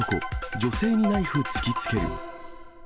女性にナイフ突きつける。